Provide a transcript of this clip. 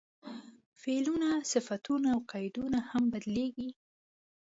فعلونه، صفتونه او قیدونه هم بدلېږي.